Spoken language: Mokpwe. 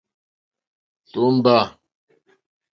Tómbâ.